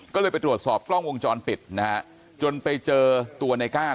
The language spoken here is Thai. ก็เลยไปตรวจสอบกล้องวงจรปิดนะฮะจนไปเจอตัวในก้าน